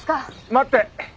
待って！